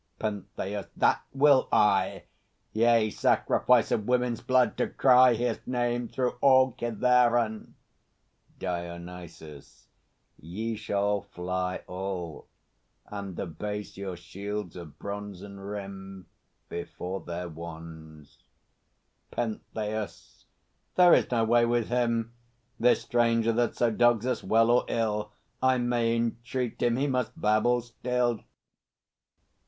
PENTHEUS. That will I! Yea, sacrifice of women's blood, to cry His name through all Kithaeron! DIONYSUS. Ye shall fly, All, and abase your shields of bronzen rim Before their wands. PENTHEUS. There is no way with him, This stranger that so dogs us! Well or ill I may entreat him, he must babble still!